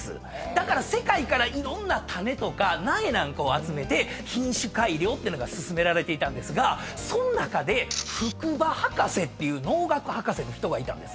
だから世界からいろんな種とか苗なんかを集めて品種改良ってのが進められていたんですがその中で福羽博士っていう農学博士の人がいたんですね。